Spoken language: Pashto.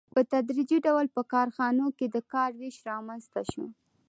په تدریجي ډول په کارخانو کې د کار وېش رامنځته شو